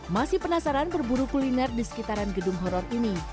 masih penasaran berburu kuliner di sekitaran gedung horror ini